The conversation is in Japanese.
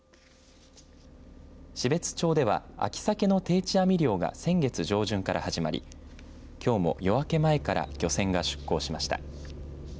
標津町では秋サケの定置網漁が先月上旬から始まりきょうも夜明け前から漁船が出港しました。